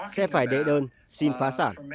sẽ phải đệ đơn xin phá sản